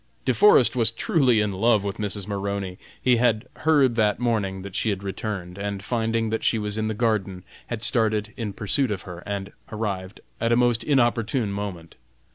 De Forest was truly in love with Mrs. Maroney. He had heard that morning that she had returned, and, finding that she was in the garden, had started in pursuit of her, and arrived at a most inopportune moment.